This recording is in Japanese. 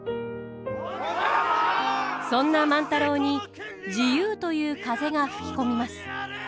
そんな万太郎に自由という風が吹き込みます。